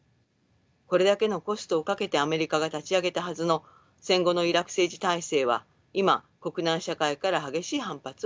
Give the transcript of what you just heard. これだけのコストをかけてアメリカが立ち上げたはずの戦後のイラク政治体制は今国内社会から激しい反発を受けています。